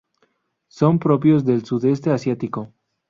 Son propios del Sudeste Asiático.